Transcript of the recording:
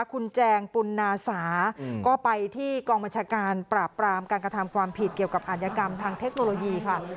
คุณแจงปุณนาสาก็ไปที่กองบัญชาการปราบปรามการกระทำความผิดเกี่ยวกับอาธิกรรมทางเทคโนโลยีค่ะ